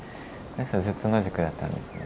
その人はずっと野宿だったんですね。